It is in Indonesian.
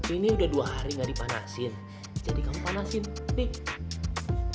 ini udah dua hari gak dipanasin jadi kamu panasin nih